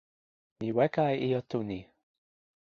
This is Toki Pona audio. mi weka e ijo tu ni.